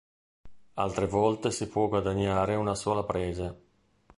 Altre volte si può guadagnare una sola prese.